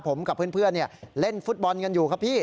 ผมกับเพื่อนเล่นฟุตบอลกันอยู่ครับพี่